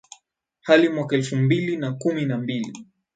hadi mwaka elfu mbili na kumi na mbili